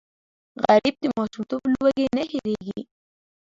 غریب د ماشومتوب لوږې نه هېرېږي